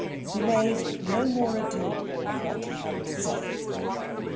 He made no more ado of what he had to say.